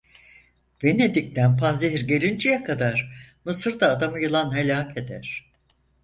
Venedik'ten panzehir gelinceye kadar, Mısır'da adamı yılan helâk eder.